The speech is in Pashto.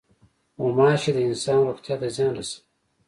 غوماشې د انسان روغتیا ته زیان رسوي.